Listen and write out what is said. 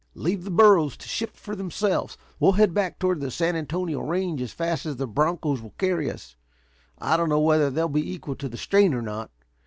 "Leave the burros to shift for themselves. We'll head hack toward the San Antonio Range as fast as the bronchos will carry us. I don't know whether they'll be equal to the strain or not.